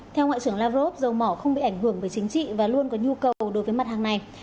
theo ngoại trưởng lavrov dầu mỏ không bị ảnh hưởng về chính trị và luôn có nhu cầu đối với mặt hàng này